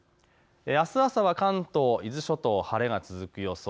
あす朝は関東、伊豆諸島、晴れが続く予想。